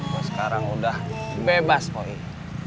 gue sekarang udah bebas kok ih